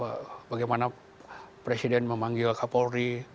ini terbukti dari bagaimana presiden memanggil kapolri